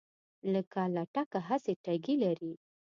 لکه لټکه هسې ټګي لري